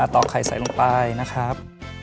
อกไข่ใส่ลงไปนะครับ